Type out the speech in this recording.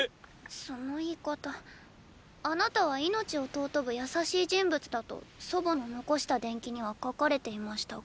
その言い方あなたは命を尊ぶ優しい人物だと祖母の残した伝記には書かれていましたが。